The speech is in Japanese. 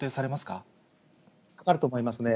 かかると思いますね。